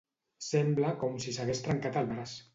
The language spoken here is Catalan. Sembla com si s'hagués trencat el braç.